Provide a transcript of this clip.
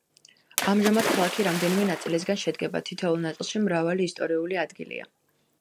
ამჟამად ქალაქი რამდენიმე ნაწილისაგან შედგება, თითოეულ ნაწილში მრავალი ისტორიული ადგილა.